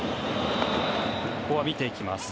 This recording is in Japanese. ここは見ていきます。